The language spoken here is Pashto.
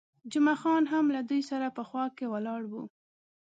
جمعه خان هم له دوی سره په خوا کې ولاړ وو.